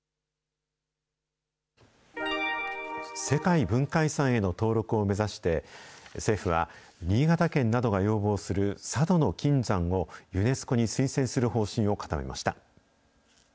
世界文化遺産への登録を目指して政府は、新潟県などが要望する佐渡島の金山を、ユネスコに推薦する方針を固めました。